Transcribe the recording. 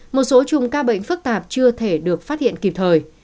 một số chùm ca bệnh phức tạp chưa thể được phát hiện kịp thời